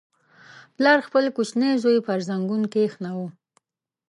• پلار خپل کوچنی زوی پر زنګون کښېناوه.